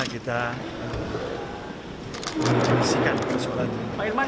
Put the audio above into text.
atas jasanya merekomendasikan cv semesta berjaya ke perumbulok